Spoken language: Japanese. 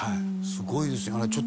すごいですよね。